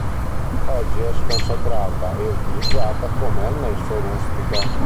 Oggi è sconsacrata è utilizzata come annesso rustico.